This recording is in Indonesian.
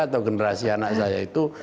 atau generasi anak saya itu